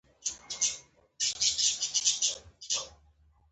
سړي غتې سترګې رډې راوختې.